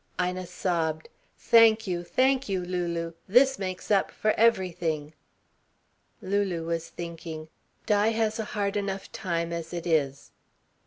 Ina sobbed: "Thank you, thank you, Lulu. This makes up for everything." Lulu was thinking: "Di has a hard enough time as it is."